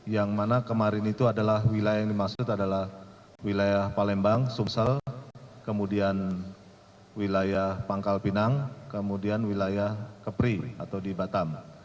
yang mana kemarin itu adalah wilayah yang dimaksud adalah wilayah palembang sumsel kemudian wilayah pangkal pinang kemudian wilayah kepri atau di batam